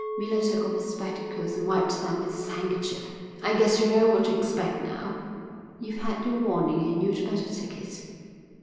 Miller took off his spectacles and wiped them with his handkerchief. "I guess you know what to expect now. You've had your warning and you'd better take it."